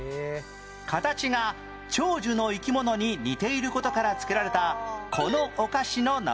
形が長寿の生き物に似ている事からつけられたこのお菓子の名前は？